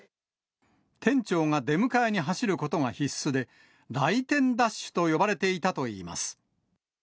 店長が出迎えに走ることが必須で、来店ダッシュと呼ばれていたといいます。